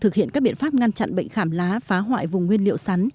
thực hiện các biện pháp ngăn chặn bệnh khảm lá phá hoại vùng nguyên liệu sắn